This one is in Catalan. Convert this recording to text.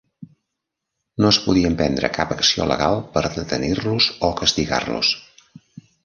No es podia emprendre cap acció legal per detenir-los o castigar-los.